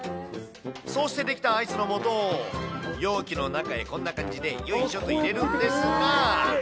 そうして出来たアイスのもとを容器の中へ、こんな感じでよいしょと入れるんですが。